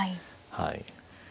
はい。